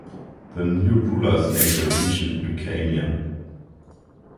The new rulers named the region Lucania.